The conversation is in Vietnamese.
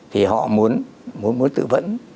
thì họ muốn tự vẫn